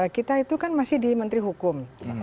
kita itu kan masih di menteri hukum